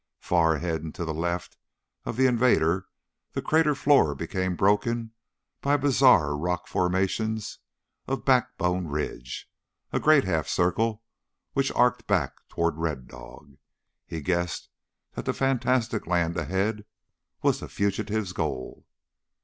Far ahead and to the left of the invader the crater floor became broken by bizarre rock formations of Backbone Ridge a great half circle which arced back toward Red Dog. He guessed that the fantastic land ahead was the fugitive's goal.